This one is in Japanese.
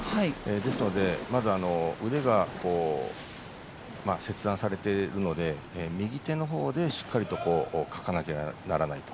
ですので、まず腕が切断されているので右手のほうでしっかりとかかなければならないと。